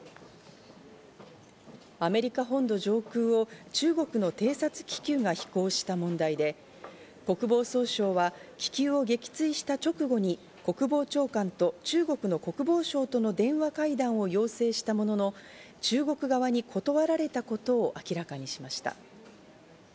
アメリカ本土上空を中国の偵察気球が飛行した問題で、国防総省は気球を撃墜した直後に国防長官と中国の国防相との電話会談を要請したものの、中国側に断られたことを明らかにしました。